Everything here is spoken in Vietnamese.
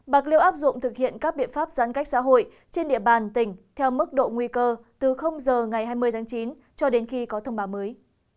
bạc liêu áp dụng thực hiện các biện pháp giãn cách xã hội trên địa bàn tỉnh theo mức độ nguy cơ từ giờ ngày hai mươi tháng chín cho đến khi có thông báo mới